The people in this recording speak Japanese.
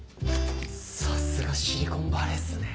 さすがシリコンバレーっすね。